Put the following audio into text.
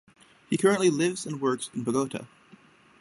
He currently lives and works in Bogota.